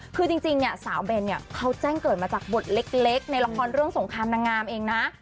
คือจริงเนี่ยสาวเบนเนี่ยเขาแจ้งเกิดมาจากบทเล็กในละครเรื่องสงครามนางงามเองนะ